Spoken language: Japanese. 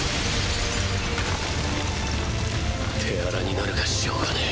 手荒になるがしょうがねぇ。